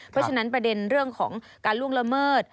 เพราะฉะนั้นประเด็นเรื่องของการล่วงละเมิด